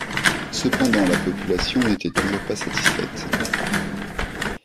Cependant, la population n’était toujours pas satisfaite.